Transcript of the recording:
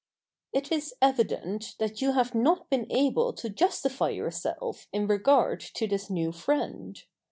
It is evident that you have not been able to justify yourself in regard to this new friend.